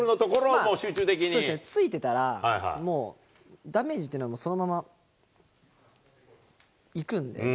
もうついてたら、もうダメージっていうのはそのままいくんで。